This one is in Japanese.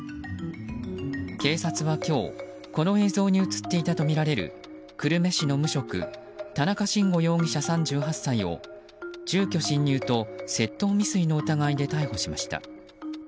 警察は今日この映像に映っていたとみられる久留米市の無職田中慎吾容疑者、３８歳を住居侵入と窃盗未遂の疑いで逮捕しました。